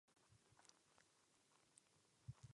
V Itálii před druhou světovou válkou nastupuje k moci fašismus.